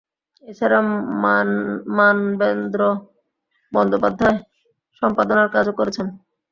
এ ছাড়া মানবেন্দ্র বন্দ্যোপাধ্যায় সম্পাদনার কাজও করেছেন।